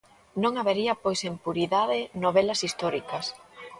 Non habería pois en puridade novelas históricas.